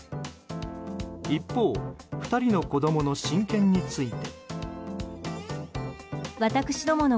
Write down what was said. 一方、２人の子供の親権について。